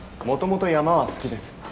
もともと山は好きです。